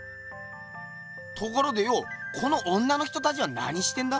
ところでよこの女の人たちは何してんだ？